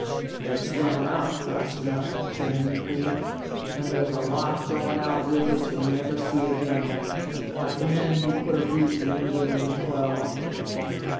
"It's running out fast enough," Jeremy agreed; "and there's a lot going out with it you'll never see again like the men who put a reef in England in 'twelve."